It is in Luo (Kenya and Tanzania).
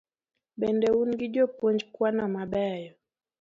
Bende un gi jopuonj kwano mabeyo?